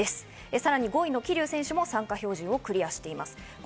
さらに５位の桐生選手も参加標準をクリアしています。